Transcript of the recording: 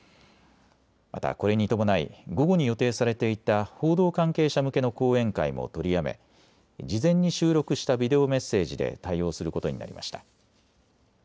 また、これに伴い午後に予定されていた報道関係者向けの講演会も取りやめ事前に収録収録したビデオメッセージで対応することになりました。